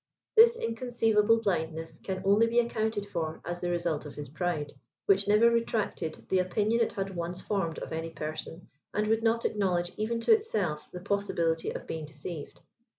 This inconceivable blindness can only be accounted for as the result of his pride, which never retracted the opinion it had once formed of any person, and would not acknowledge, even to itself, the possibility of being deceived.